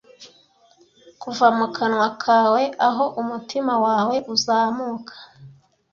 kuva mu kanwa kawe aho umutima wawe uzamuka